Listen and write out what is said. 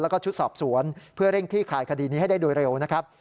แล้วก็ชุดสอบสวนเพื่อเร่งคลี่คลายคดีนี้ให้ได้โดยเร็วนะครับ